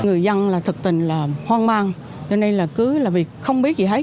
người dân là thật tình là hoang mang cho nên là cứ là việc không biết gì hết